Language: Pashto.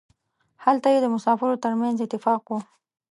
هلته یې د مسافرو ترمنځ اتفاق و.